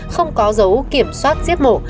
không có dấu kiểm soát giết mổ